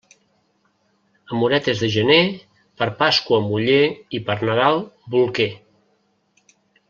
Amoretes de gener, per Pasqua, muller, i per Nadal, bolquer.